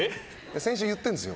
先週、言ってるんですよ。